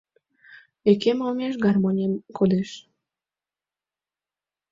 Йӱкем олмеш гармонем кодеш.